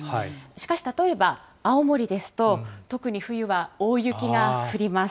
しかし例えば、青森ですと、特に冬は大雪が降ります。